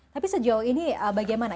tapi sejauh ini bagaimana